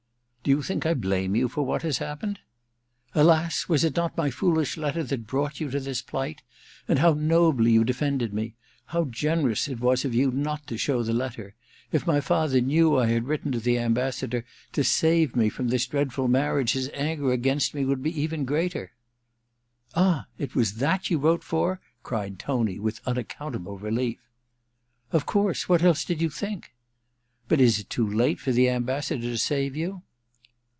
* Do you think I blame you for what has happened ?' *Alas, was it not my foolish letter that brought you to this plight ? And how nobly you defended me ! How generous it was of ou not to show the letter ! If my father knew had written to the Ambassador to save me from this dreadful marriage his anger against me would be even greater." r Ill A VENETIAN NIGHT 337 * Ah — it was that you wrote for ?' cried Tony with unaccountable relief. ' Of course — what else did you think ?But is it too late for the Ambassador to save you